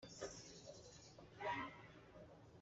A suimilam a thla maw?